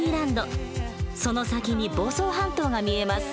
その先に房総半島が見えます。